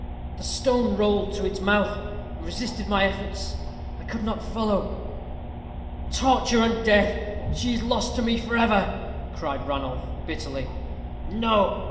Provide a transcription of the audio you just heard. "The stone rolled to its mouth, and resisted my efforts. I could not follow." "Torture and death! She is lost to me for ever!" cried Ranulph, bitterly. "No!"